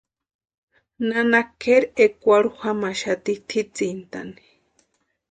Nana kʼeri ekwarhu jamaxati tʼitsíntani.